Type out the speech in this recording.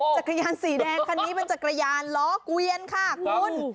จักรยานสีแดงคันนี้เป็นจักรยานล้อเกวียนค่ะคุณ